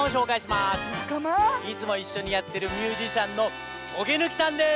いつもいっしょにやってるミュージシャンのトゲぬきさんです！